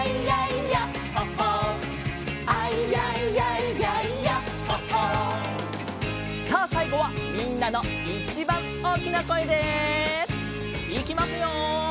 「アイヤイヤイヤイヤッホー・ホー」さあさいごはみんなのいちばんおおきなこえでいきますよ！